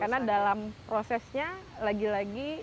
karena dalam prosesnya lagi lagi